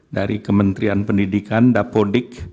dari kementerian pendidikan dapodik